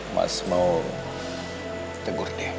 mas mau tegur dia